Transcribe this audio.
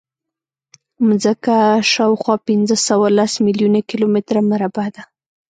ځمکه شاوخوا پینځهسوهلس میلیونه کیلومتره مربع ده.